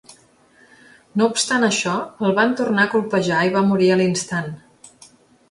No obstant això, el van tornar a colpejar i va morir a l'instant.